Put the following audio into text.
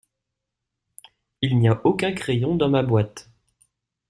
Il n’y a aucun crayon dans ma boîte.